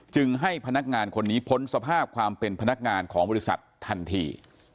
ให้พนักงานคนนี้พ้นสภาพความเป็นพนักงานของบริษัททันที